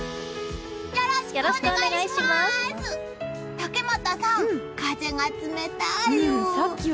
竹俣さん、風が冷たいよ！